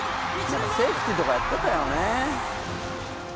「なんかセーフティーとかやってたよね」